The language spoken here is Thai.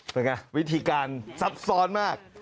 สักครั้งวิธีการซับซ้อนมาก